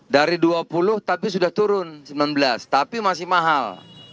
dari dua puluh tapi sudah turun sembilan belas tapi masih mahal